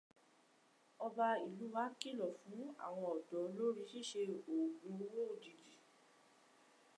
Ọba ìlú wa kìlọ̀ fún áwọn ọ̀dọ́ lórí ṣíṣe òògùn owó òjijì.